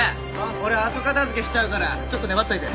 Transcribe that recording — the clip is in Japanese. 俺後片付けしちゃうからちょっと粘っといて。